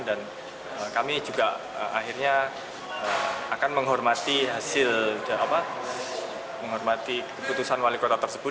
dan kami juga akhirnya akan menghormati hasil menghormati keputusan wali kota tersebut